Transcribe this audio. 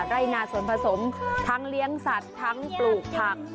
ไร่นาส่วนผสมทั้งเลี้ยงสัตว์ทั้งปลูกผัก